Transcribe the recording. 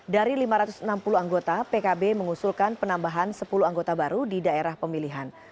dari lima ratus enam puluh anggota pkb mengusulkan penambahan sepuluh anggota baru di daerah pemilihan